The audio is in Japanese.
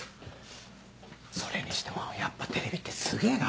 それにしてもやっぱテレビってスゲェな。